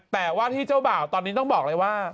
แต่ว่าที่เจ้าบ่าวตอนนี้ต้องบอกเลยว่า